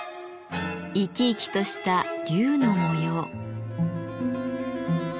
生き生きとした龍の模様。